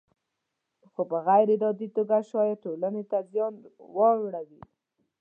خو په غیر ارادي توګه شاید ټولنې ته زیان واړوي.